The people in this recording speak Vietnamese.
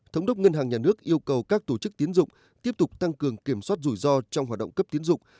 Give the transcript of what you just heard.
thống đốc ngân hàng nhà nước yêu cầu các tổ chức tiến dụng tiếp tục tăng cường kiểm soát rủi ro trong hoạt động cấp tiến dụng